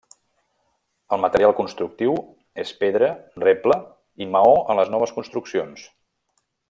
El material constructiu és pedra, reble, i maó en les noves construccions.